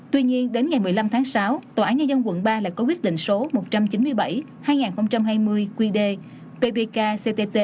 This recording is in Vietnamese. tuy nhiên đến ngày một mươi năm tháng sáu tòa án nhân dân quận ba lại có quyết định số một trăm chín mươi bảy hai nghìn hai mươi qd pbk ctt